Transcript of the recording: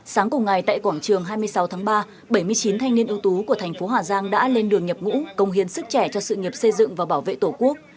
sáng cùng ngày tại quảng trường hai mươi sáu tháng ba bảy mươi chín thanh niên ưu tú của thành phố hà giang đã lên đường nhập ngũ công hiến sức trẻ cho sự nghiệp xây dựng và bảo vệ tổ quốc